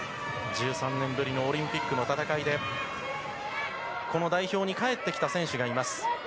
１３年ぶりのオリンピックの戦いでこの代表に帰ってきた選手がいます。